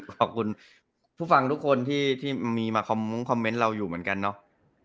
ขอบคุณผู้ฟังทุกคนที่มีมาคอมเมนต์เราอยู่เหมือนกันเนาะ